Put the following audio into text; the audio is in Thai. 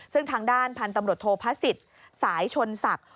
ซึ่งทางด้านพันธุ์ตำรวจโทษพระศิษย์สายชนศักดิ์